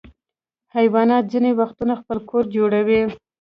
حیوانات ځینې وختونه خپل کور جوړوي.